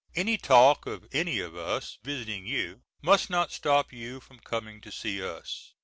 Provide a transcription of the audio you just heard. Any talk of any of us visiting you, must not stop you from coming to see us.